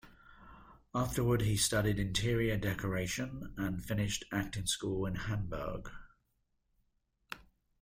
Afterward, he studied interior decoration and finished acting school in Hamburg.